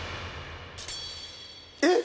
えっ！？